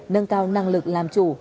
nâng cao năng lực làm chủ